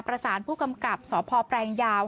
ประสานผู้กำกับสพแปลงยาว